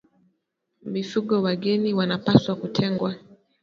Mifugo wageni wanapaswa kutengwa